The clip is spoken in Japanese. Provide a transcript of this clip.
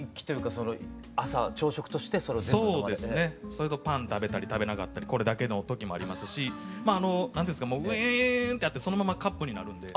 それとパン食べたり食べなかったりこれだけの時もありますし何て言うんですかウィーンってやってそのままカップになるんで。